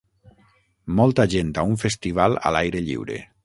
Molta gent a un festival a l'aire lliure.